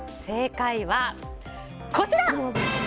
正解はこちら！